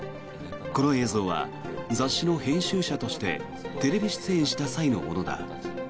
この映像は雑誌の編集者としてテレビ出演した際のものだ。